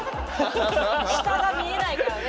下が見えないからね。